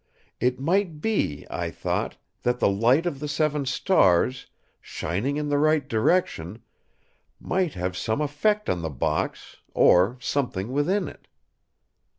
It might be, I thought, that the light of the seven stars, shining in the right direction, might have some effect on the box, or something within it.